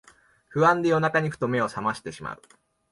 不安で夜中にふと目をさましてしまう